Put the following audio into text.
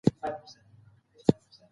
تاریخ د پاچاهانو په خوښه لیکل کیږي.